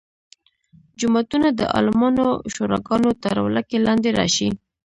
جوماتونه د عالمانو شوراګانو تر ولکې لاندې راشي.